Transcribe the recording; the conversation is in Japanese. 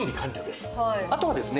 あとはですね